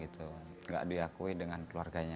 tidak diakui dengan keluarganya